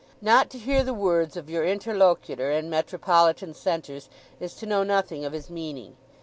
Not to hear the words of your interlocutor in metropolitan centres is to know nothing of his meaning.